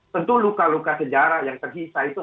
tentu luka luka sejarah yang tersisa itu